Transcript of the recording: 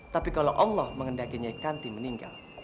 tapi kalau allah mengendaki nyikanti meninggal